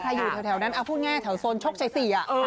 ใครอยู่แถวนั้นพูดแง่แถวโซนชกชัยศรี